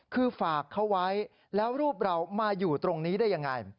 คือฝากเขาไว้แล้วรูปเรามาอยู่ตรงนี้ได้ยังไง